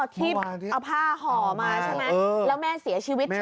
ที่เอาผ้าห่อมาใช่ไหมแล้วแม่เสียชีวิตใช่ไหม